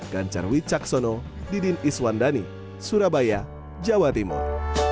ganjarwi caksono didin iswandani surabaya jawa timur